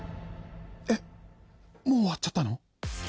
えっもう終わっちゃったの？